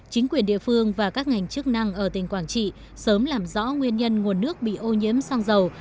chính quyền địa phương và các ngành chức năng ở tỉnh quảng trị sớm làm rõ nguyên nhân nguồn nước bị ô nhiễm xăng dầu